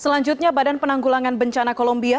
selanjutnya badan penanggulangan bencana kolombia